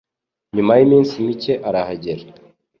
Nyuma yiminsi mike arahagera.